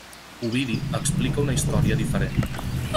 Ovidi explica una història diferent.